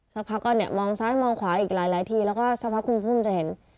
สักพักก็เนี่ยมองซ้ายมองขวาอีกหลายทีแล้วก็สักพักคุณผู้ชมจะเห็น